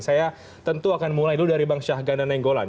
saya tentu akan mulai dulu dari bang syahganda nenggolan